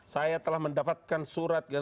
saya telah mendapatkan surat